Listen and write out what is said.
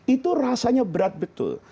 itu rasanya berat betul